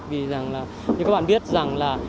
vì rằng là như các bạn biết rằng là